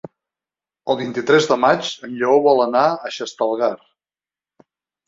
El vint-i-tres de maig en Lleó vol anar a Xestalgar.